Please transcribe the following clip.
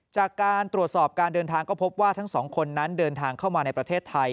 จากการตรวจสอบการเดินทางก็พบว่าทั้งสองคนนั้นเดินทางเข้ามาในประเทศไทย